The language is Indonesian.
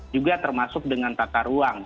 juga termasuk dengan tata ruang